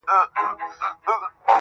له دغي خاوري مرغان هم ولاړل هجرت کوي.